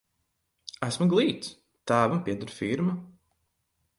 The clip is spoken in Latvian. Esmu glīts, tēvam pieder firma.